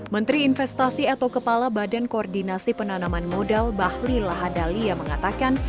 menteri investasi atau kepala badan koordinasi penanaman modal bahli lahadalia mengatakan